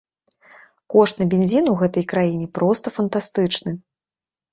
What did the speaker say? Кошт на бензін у гэтай краіне проста фантастычны.